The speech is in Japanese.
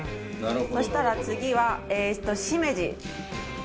そしたら次はえっとしめじ。